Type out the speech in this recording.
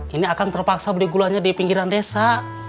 ini akan terpaksa beli gulanya di pinggiran desa